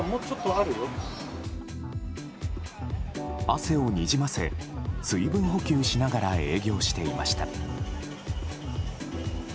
汗をにじませ水分補給しながら営業していました。